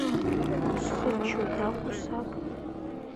Усхыччоит акәу, саб!